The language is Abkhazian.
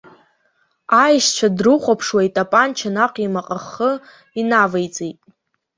Аишьцәа дрыхәаԥшуа, итапанча наҟ имаҟахы инавҵеиҵеит.